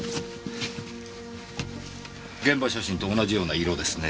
現場写真と同じような色ですね。